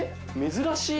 珍しい。